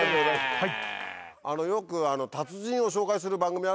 はい。